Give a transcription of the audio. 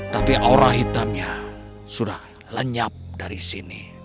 tapi aura hitamnya sudah lenyap dari sini